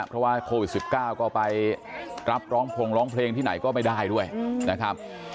เพราะว่าโควิสสิบก้าวก็ไปกับร้องพลงร้องเพลงที่ไหนก็ไม่ได้ด้วยนะ